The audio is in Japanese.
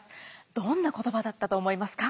どんな言葉だったと思いますか？